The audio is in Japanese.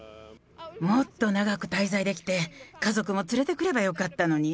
もっと長く滞在できて、家族も連れてくればよかったのに。